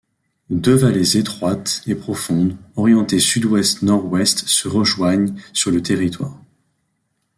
Deux vallées étroites et profondes, orientées sud-ouest nord-ouest se rejoignent sur le territoire.